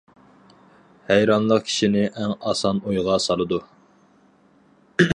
ھەيرانلىق كىشىنى ئەڭ ئاسان ئويغا سالىدۇ.